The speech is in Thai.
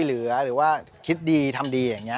ชื่องนี้ชื่องนี้ชื่องนี้ชื่องนี้ชื่องนี้